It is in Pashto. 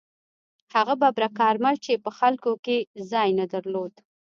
هغه ببرک کارمل چې په خلکو کې ځای نه درلود.